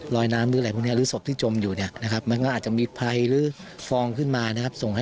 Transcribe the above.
ลอยน้ำอะไรพวกนี้หรือศพที่จมอยู่เนี่ยหรือมันก็อาจจะมีไพหรือฟองขึ้นมานะครับ